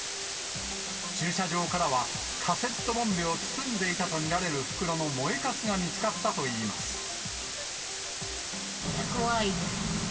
駐車場からは、カセットボンベを包んでいたと見られる袋の燃えかすが見つかった怖いです。